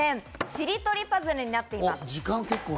しりとりパズルになっています。